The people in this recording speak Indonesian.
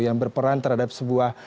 yang berperan terhadap sebuah